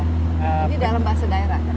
jadi dalam bahasa daerah kan